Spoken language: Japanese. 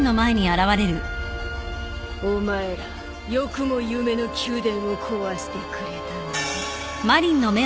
お前らよくも夢の宮殿を壊してくれたね。